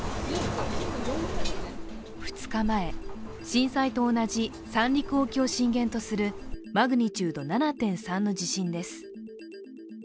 ２日前、震災と同じ三陸沖を震源とするマグニチュード７．３の地震です。